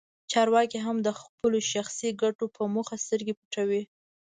چارواکي هم د خپلو شخصي ګټو په موخه سترګې پټوي.